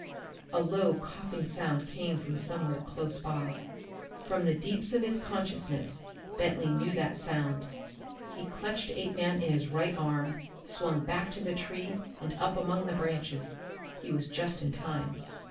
A low coughing sound came from somewhere close by. From the deeps of his consciousness Bentley knew that sound. He clutched Apeman in his right arm, swung back to the tree and up among the branches. He was just in time.